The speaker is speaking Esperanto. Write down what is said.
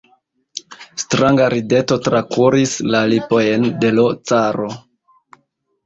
Stranga rideto trakuris la lipojn de l' caro.